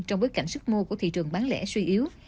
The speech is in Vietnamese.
trong bối cảnh sức mua của thị trường bán lẻ suy yếu